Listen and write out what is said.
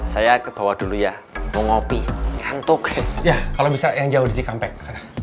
saya ke bawah dulu ya mau ngopi ngantuk ya kalau bisa yang jauh di cikampek